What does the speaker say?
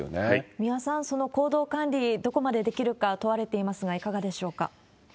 三輪さん、その行動管理、どこまでできるか問われていますが、いかがでしょうか？